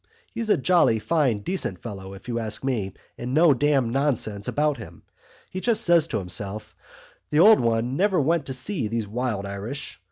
He's a jolly fine decent fellow, if you ask me, and no damn nonsense about him. He just says to himself: 'The old one never went to see these wild Irish.